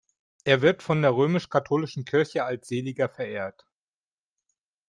Er wird von der römisch-katholischen Kirche als Seliger verehrt.